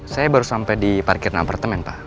saya baru sampe di parkirnya apartemen pak